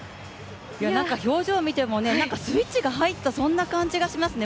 表情を見ても、スイッチが入った感じがしましたね。